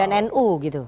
dan nu gitu